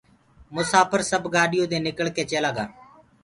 مساڦر سب گآڏيو دي نکݪ ڪي چيلآ گآ